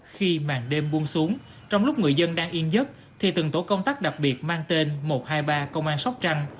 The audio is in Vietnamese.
khi màn đêm buông xuống trong lúc người dân đang yên giấc thì từng tổ công tác đặc biệt mang tên một trăm hai mươi ba công an sóc trăng